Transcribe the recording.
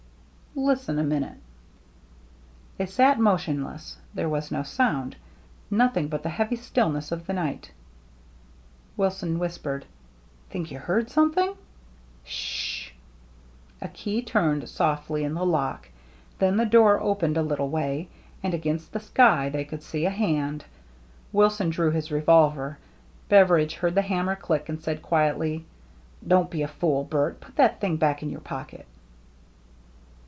" Listen a minute !" They sat motionless. There was no sound ; nothing but the heavy stillness of the night. Wilson whispered, " Think you heard something ?"" S sh !'* A key turned softly in the lock. Then the door opened a little way, and against the sky they could see a head. Wilson drew his revolver. Beveridge heard the hammer click, and said quietly, " Don't be a fool, Bert. Put that thing back in your pocket."